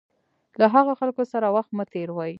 له هغه خلکو سره وخت مه تېروئ.